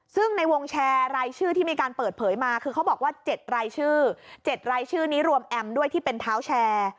ซึ่งในวงแชร์รายชื่อที่มีการเปิดเผยมาคือเขาบอกว่า๗รายชื่อ๗รายชื่อนี้รวมแอมด้วยที่เป็นเท้าแชร์